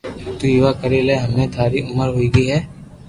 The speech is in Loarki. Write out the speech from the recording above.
تو ويوا ڪري لي ھمي ٿاري عمر ھوئئي گئي